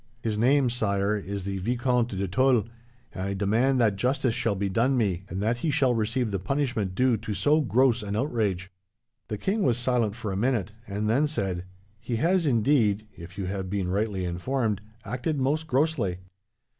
His name, Sire, is the Vicomte de Tulle, and I demand that justice shall be done me, and that he shall receive the punishment due to so gross an outrage.' "The king was silent for a minute, and then said: "'He has, indeed, if you have been rightly informed, acted most grossly.